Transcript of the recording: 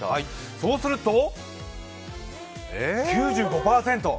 そうすると、９５％！